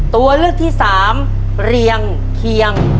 ตัวเลือกที่สามเรียงเคียง